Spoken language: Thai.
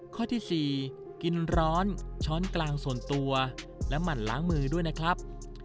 ข้อที่๔กินร้อนช้อนกลางส่วนตัวและหมั่นล้างมือด้วยนะครับ